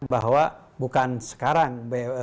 bahwa bukan sekarang